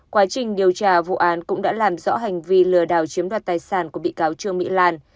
quá trình điều tra vụ án cũng đã làm rõ hành vi lừa đảo chiếm đoạt tài sản của bị cáo trương mỹ lan